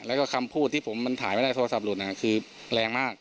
แล้วก็คำพูดที่ผมมันถ่ายไม่ได้โทรศัพท์หลุดคือแรงมาก